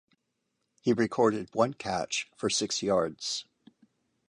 He recorded one catch for six yards.